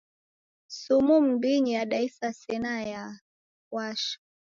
Sumu m'mbinyi yadaisa sena yafwasha.